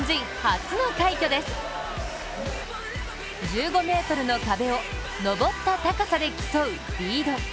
１５ｍの壁を登った高さできそうリード。